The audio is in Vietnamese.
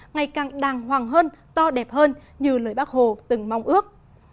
ngày càng đàng hoàng hơn to đẹp hơn như lời bác hồ từng mong ước